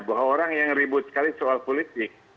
bahwa orang yang ribut sekali soal politik